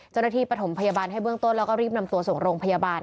ประถมพยาบาลให้เบื้องต้นแล้วก็รีบนำตัวส่งโรงพยาบาล